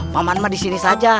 paman disini saja